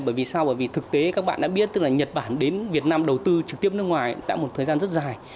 bởi vì sao bởi vì thực tế các bạn đã biết tức là nhật bản đến việt nam đầu tư trực tiếp nước ngoài đã một thời gian rất dài